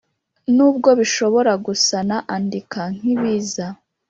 nubwo bishobora gusa na (andika!) nkibiza